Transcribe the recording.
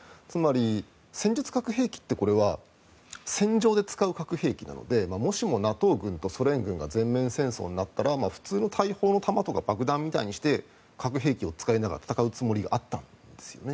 つまり戦術核兵器って戦場で使う核兵器なのでもしもＮＡＴＯ軍とソ連軍が全面戦争になったら普通の大砲の弾とか爆弾みたいにして核兵器を使いながら戦うことがあった。